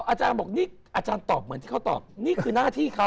อาจารย์บอกนี่อาจารย์ตอบเหมือนที่เขาตอบนี่คือหน้าที่เขา